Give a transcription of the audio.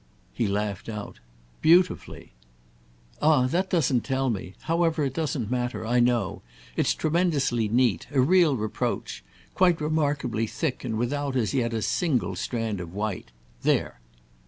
He laughed out. "Beautifully!" "Ah that doesn't tell me. However, it doesn't matter—I know. It's tremendously neat—a real reproach; quite remarkably thick and without, as yet, a single strand of white. There!"